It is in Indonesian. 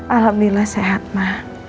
alhamdulillah sehat ma